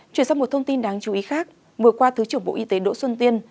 chuyển sang một thông tin đáng chú ý khác vừa qua thứ trưởng bộ y tế đỗ xuân tiên